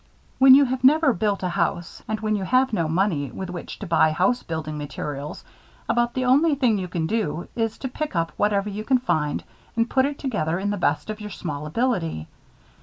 When you have never built a house; and when you have no money with which to buy house building materials, about the only thing you can do is to pick up whatever you can find and put it together to the best of your small ability.